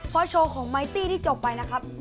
เพราะโชว์ของไมตี้ที่จบไปนะครับ